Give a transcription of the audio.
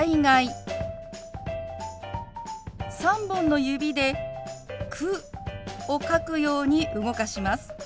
３本の指で「く」を書くように動かします。